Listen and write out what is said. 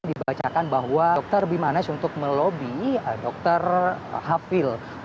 dibacakan bahwa dokter bimanesh untuk melobi dokter hafil